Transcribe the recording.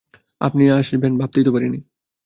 আপনি আসবেন ভাবতেই পারি নি।